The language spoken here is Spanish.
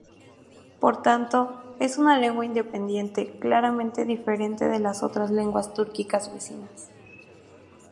Por tanto, es una lengua independiente claramente diferente de las otras lenguas túrquicas vecinas.